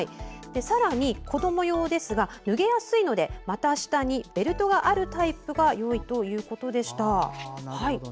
さらに、子ども用は脱げやすので股下にベルトがあるタイプがよいということでした。